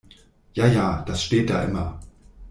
Ja ja, das steht da immer.